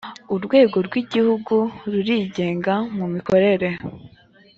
urwego rw ‘igihugu rurigenga mu mikorere.